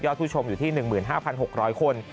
ยอดชูชมอยู่ที่๑หมื่น๕๖๐๐คน